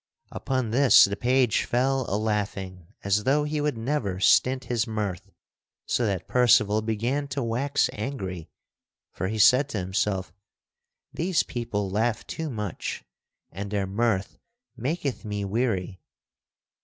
Upon this the page fell alaughing as though he would never stint his mirth so that Percival began to wax angry for he said to himself: "These people laugh too much and their mirth maketh me weary."